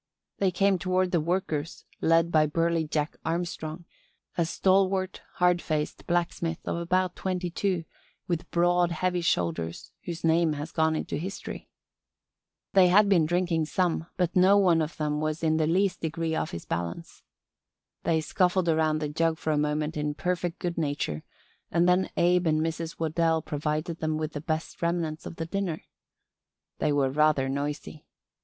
They came toward the workers, led by burly Jack Armstrong, a stalwart, hard faced blacksmith of about twenty two with broad, heavy shoulders, whose name has gone into history. They had been drinking some but no one of them was in the least degree off his balance. They scuffled around the jug for a moment in perfect good nature and then Abe and Mrs. Waddell provided them with the best remnants of the dinner. They were rather noisy.